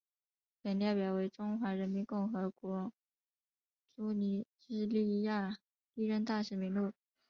本列表为中华人民共和国驻尼日利亚历任大使名录。